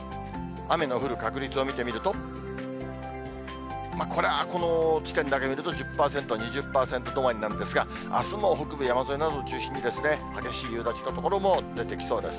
雨の降る確率を見てみると、これはこの地点だけ見ると１０％、２０％止まりなんですが、あすも北部山沿いなどを中心に、激しい夕立の所も出てきそうです。